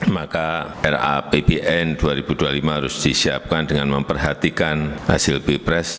maka rapbn dua ribu dua puluh lima harus disiapkan dengan memperhatikan hasil pilpres